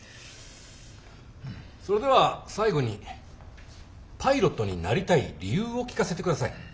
それでは最後にパイロットになりたい理由を聞かせてください。